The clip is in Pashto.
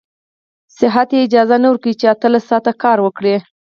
صحت يې اجازه نه ورکوي چې اتلس ساعته کار وکړي.